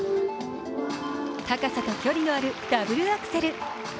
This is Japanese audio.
高さと距離のあるダブルアクセル。